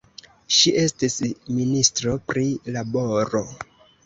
Ŝi estis ministro pri laboro.